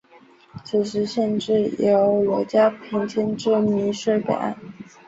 此时县治由罗家坪迁至洣水北岸。